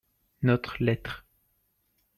Notre lettre.